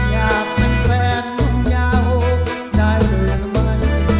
อยากเป็นแฟนคุณยาวได้เลยไหม